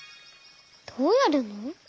どうやるの？